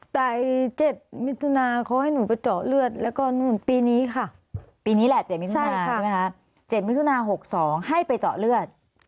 ตลาด๗มิถุนาทร์เขาให้หนูไปเจาะเลือด